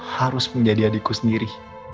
harus menjadi adikku sendiri